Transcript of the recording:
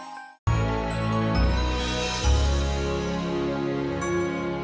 soalnya masih dalam istusyarat